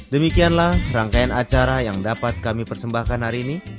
demikianlah rangkaian acara yang dapat kami persembahkan hari ini